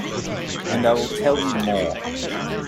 And I will tell you more.